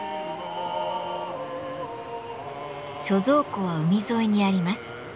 貯蔵庫は海沿いにあります。